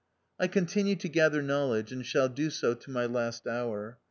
I continue to gather knowledge, and shall do so to my last hour.